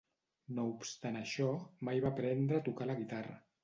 No obstant això, mai va aprendre a tocar la guitarra.